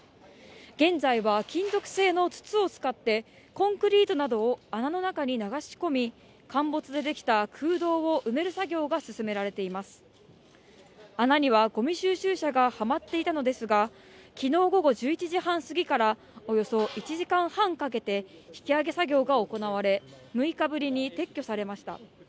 現在は金属製の筒を使ってコンクリートなどを穴の中に流し込み陥没で出来た空洞を埋める作業が進められています穴にはごみ収集車がはまっていたのですがきのう午後１１時半過ぎからおよそ１時間半かけて引き上げ作業が行われ６日ぶりに撤去されました